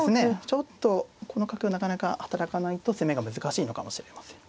ちょっとこの角なかなか働かないと攻めが難しいのかもしれません。